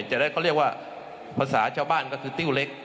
จะได้เขาเรียกว่าภาษาชาวบ้านก็คือติ้วเล็ก